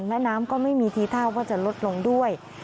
แม่น้ำก็ไม่มีทีท่าว่าจะลดลงด้วย